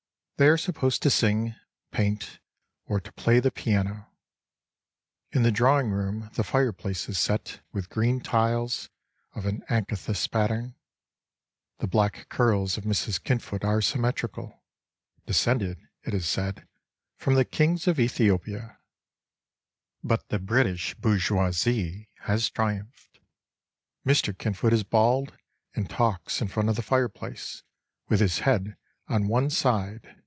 They are supposed To sing, paint, or to play the piano. In the drawing room The fireplace is set With green tiles Of an acanthus pattern. The black curls of Mrs. Kinfoot Are symmetrical. — Descended, it is said, From the Kings of Ethiopia — But the British bourgeoisie has triumphed. Mr. Kinfoot is bald And talks In front of the fireplace With his head on one side.